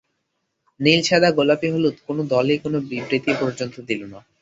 নীল সাদা গোলাপি হলুদ কোনো দলই কোনো বিবৃতি পর্যন্ত দিল না।